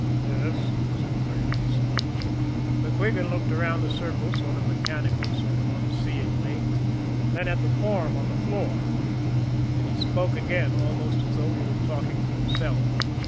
"Yes," said Bradley simply. MacQuigan looked around the circle sort of mechanically, sort of unseeingly then at the form on the floor. Then he spoke again, almost as though he were talking to himself.